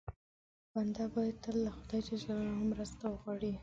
بنده باید تل له خدای ج مرسته وغواړي.